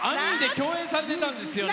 共演されていたんですよね。